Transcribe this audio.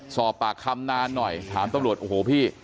สอบปากคำนานหน่อยถามตำรวจโอ้โหพี่